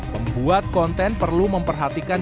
membuat konten perlu memperhatikan